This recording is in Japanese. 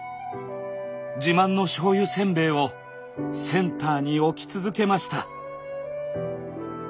自慢の醤油せんべいをセンターに置き続けました。